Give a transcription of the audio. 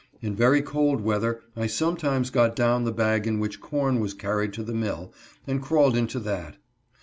In very cold weather I sometimes got down the bag in which corn was carried to the mill, and crawled into that.